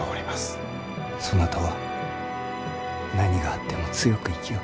そなたは何があっても強く生きよ。